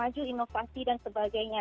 teknologi teknologi inovasi dan sebagainya